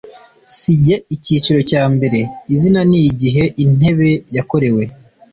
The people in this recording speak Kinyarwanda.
si ge icyiciro cya mbere izina ni igihe intebe yakorewe